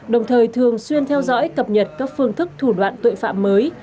đồng thời thường xuyên theo dõi cập nhật các phương thức thủ đoạn tội phạm mới